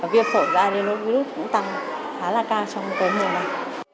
viêm phổi do adenovirus cũng tăng khá là cao trong cái mùa này